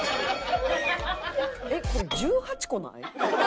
えっこれ１８個ない？